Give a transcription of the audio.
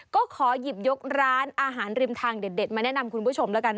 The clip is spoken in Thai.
ก็ขอหยิบยกร้านอาหารริมทางเด็ดมาแนะนำคุณผู้ชมแล้วกัน